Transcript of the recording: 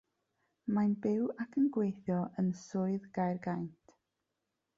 Mae'n byw ac yn gweithio yn Swydd Gaergaint.